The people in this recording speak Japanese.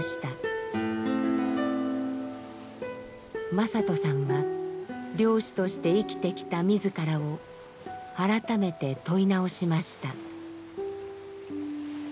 正人さんは漁師として生きてきた自らを改めて問い直しました。